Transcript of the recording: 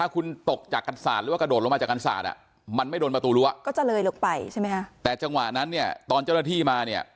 ก็จะเลยลงไปใช่ไหมฮะแต่จังหวะนั้นเนี่ยตอนเจ้าหน้าที่มาเนี่ย